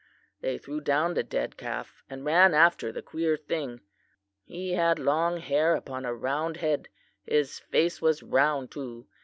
They threw down the dead calf, and ran after the queer thing. He had long hair upon a round head. His face was round, too.